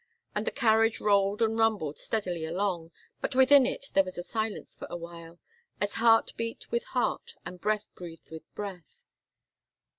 And the carriage rolled and rumbled steadily along. But within it there was silence for a while, as heart beat with heart and breath breathed with breath.